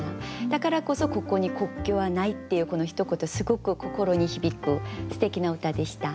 だからこそ「ここに国境はない」っていうこのひと言すごく心に響くすてきな歌でした。